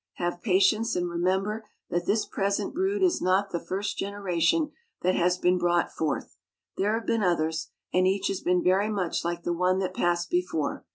Have patience, and remember that this present brood is not the first generation that has been brought forth. There have been others, and each has been very much like the one that passed before.